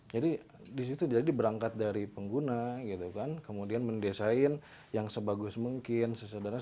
jadi disitu jadi berangkat dari pengguna gitu kan kemudian mendesain yang sebagus mungkin sesudah